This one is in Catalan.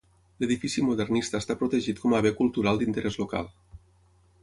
L'edifici modernista està protegit com a bé cultural d'interès local.